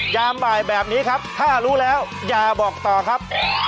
ยามบ่ายแบบนี้ครับถ้ารู้แล้วอย่าบอกต่อครับ